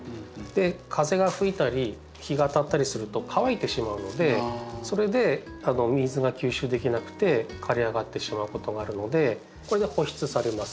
風が吹いたり日が当たったりすると乾いてしまうのでそれで水が吸収できなくて枯れ上がってしまうことがあるのでこれで保湿されます。